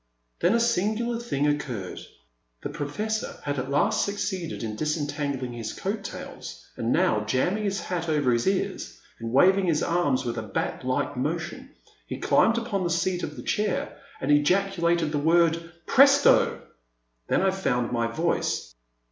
Then a singular thing occurred. The Professor had at last succeeded in disentangling his coat tails, and now, jamming his hat over his ears, and waving his arms with a bat like motion, he climbed upon the seat of his chair, and ejaculated the word Presto !" Then I found my voice.